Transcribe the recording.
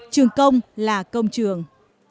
trường công là công trường